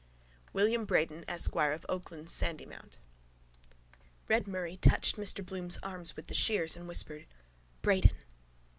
WILLIAM BRAYDEN, ESQUIRE, OF OAKLANDS, SANDYMOUNT Red Murray touched Mr Bloom's arm with the shears and whispered: —Brayden.